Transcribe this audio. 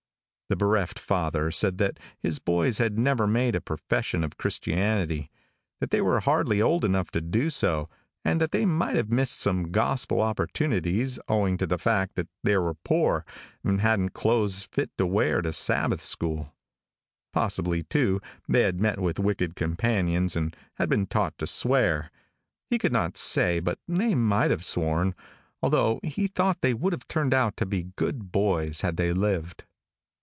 The bereft father said that his boys had never made a profession of Christianity; that they were hardly old enough to do so, and that they might have missed some gospel opportunities owing to the fact that they were poor, and hadn't clothes fit to wear to Sabbath school. Possibly, too, they had met with wicked companions, and had been taught to swear; he could not say but they might have sworn, although he thought they would have turned out to be good boys had they lived.